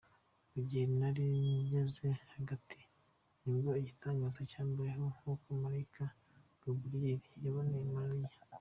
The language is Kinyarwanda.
Mu gihe nari ngeze hagati, nibwo igitangaza cyambayeho, nkuko Malayika Gaburiyeli yabonekeye Mariya.